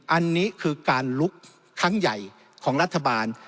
อันนี้คือการลุกครั้งใหญ่ของรัฐบาล